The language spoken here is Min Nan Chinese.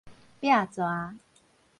壁蛇